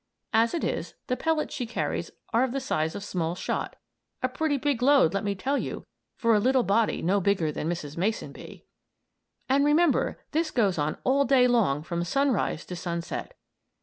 As it is, the pellets she carries are of the size of small shot; a pretty big load, let me tell you, for a little body no bigger than Mrs. Mason Bee. And remember, this goes on all day long from sunrise to sunset.